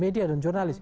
media dan jurnalis